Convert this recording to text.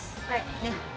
はい。